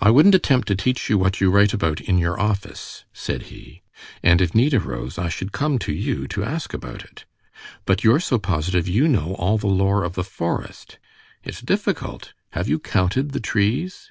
"I wouldn't attempt to teach you what you write about in your office," said he, "and if need arose, I should come to you to ask about it. But you're so positive you know all the lore of the forest. It's difficult. Have you counted the trees?"